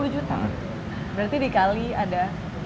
dua puluh juta berarti dikali ada delapan belas